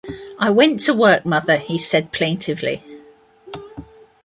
“I went to work, mother,” he said plaintively.